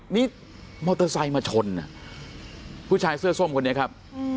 นี่มอเตอร์ไซค์มาชนผู้ชายเสื้อส้มคนนี้ครับ